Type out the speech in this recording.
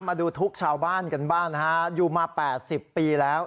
มาดูทุกข์ชาวบ้านกันบ้างนะฮะอยู่มา๘๐ปีแล้ว